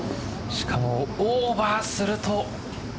しかもオーバーすると。